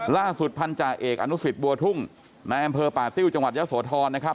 ล่าสุดพันธาเอกอนุสิตบัวทุ่งนายอำเภอป่าติ้วจังหวัดยะโสธรนะครับ